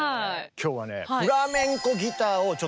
今日はね